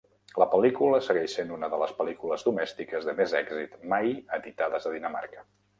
La pel·lícula segueix sent una de les pel·lícules domèstiques de més èxit mai editades a Dinamarca.